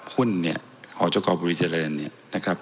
หุ้นเนี่ยหอจกบุรีเจริญเนี่ยนะครับ